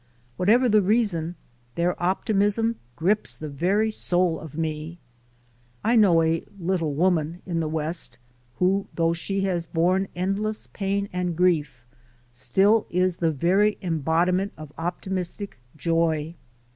Whatever the reason, their optimism grips the very soul of me. I know a "Little Woman" in the West who, though she has borne endless pain and grief, still is the very embodiment of optimistic joy.